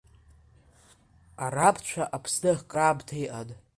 Араԥцәа Аԥсны акраамҭа иҟан.